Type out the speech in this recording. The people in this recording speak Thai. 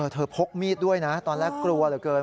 พกมีดด้วยนะตอนแรกกลัวเหลือเกิน